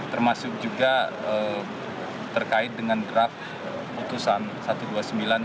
termasuk juga terkait dengan draft putusan satu ratus dua puluh sembilan